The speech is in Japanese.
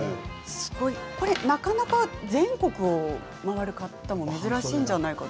なかなか全国を回るという方は珍しいんじゃないですか。